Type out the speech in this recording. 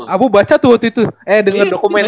abu baca tuh waktu itu eh dengan dokumenernya